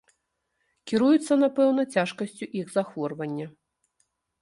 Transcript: Кіруюцца, напэўна, цяжкасцю іх захворвання.